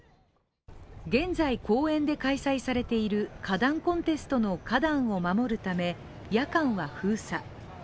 現在公園で開催されている花壇コンテストの花壇を守るため夜間は封鎖。